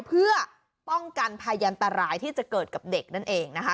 เพื่อป้องกันพยันตรายที่จะเกิดกับเด็กนั่นเองนะคะ